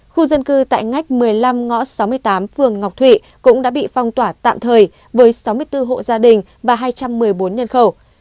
khu dân cư tại ngách một mươi năm ngõ sáu mươi tám phường ngọc thụy cũng đã bị phong tỏa tạm thời với sáu mươi bốn hộ gia đình và hai trăm một mươi bốn nhân khẩu